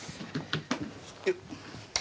よっ。